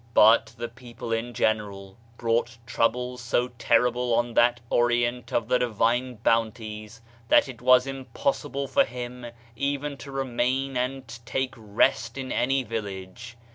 But the people in general brought troubles so terrible on that Orient of the divine bounties, that it was impossible for him even to remain and take rest in any village.